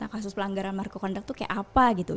ternyata kasus pelanggaran marko kondak itu kayak apa gitu